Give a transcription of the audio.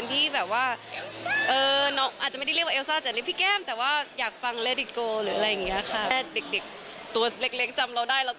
ตัวเล็กจำเราได้เราก็ดีใจมากค่ะค่ะ